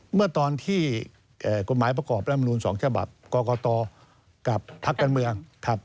เมื่อตอนที่กฎหมายประกอบรัฐมนตร์๒ฉบับกกตกับพรรคการเมือง